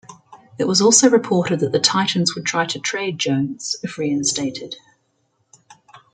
It was also reported that the Titans would try to trade Jones, if reinstated.